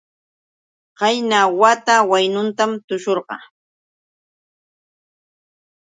Qayna wata waynutam tushurqaa.